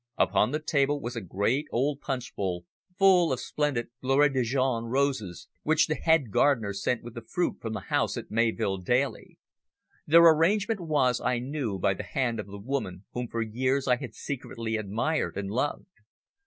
Upon the table was a great old punch bowl, full of splendid Gloire de Dijon roses, which the head gardener sent with the fruit from the house at Mayvill daily. Their arrangement was, I knew, by the hand of the woman whom for years I had secretly admired and loved.